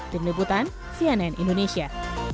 dari nebutan cnn indonesia